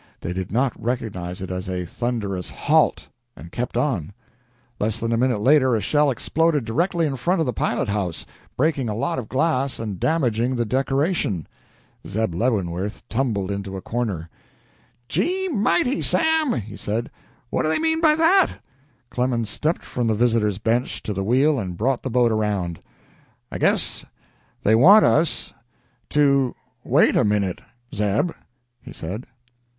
They did not recognize it as a thunderous "Halt!" and kept on. Less than a minute later, a shell exploded directly in front of the pilot house, breaking a lot of glass and damaging the decoration. Zeb Leavenworth tumbled into a corner. "Gee mighty, Sam!" he said. "What do they mean by that?" Clemens stepped from the visitors' bench to the wheel and brought the boat around. "I guess they want us to wait a minute Zeb," he said.